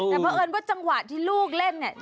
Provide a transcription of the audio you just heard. แต่เพราะเอิญว่าจังหวะที่ลูกเล่นเนี่ย